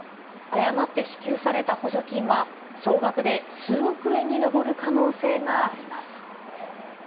誤って支給された補助金は、総額で数億円に上る可能性があります。